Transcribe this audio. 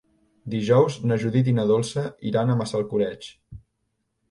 Dijous na Judit i na Dolça iran a Massalcoreig.